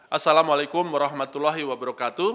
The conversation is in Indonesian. assalamu alaikum warahmatullahi wabarakatuh